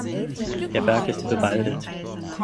Der Berg ist bewaldet.